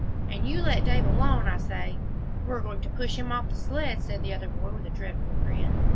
"And you let Dave alone, I say." "We're going to push him off th' sled," said the other boy, with a dreadful grin.